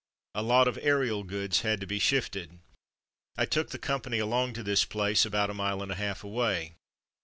A lot of aerial goods had to be shifted. I took the company along to this place — about a mile and a half away.